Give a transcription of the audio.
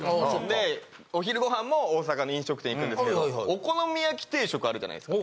でお昼ご飯も大阪の飲食店行くんですけどお好み焼き定食あるじゃないですか。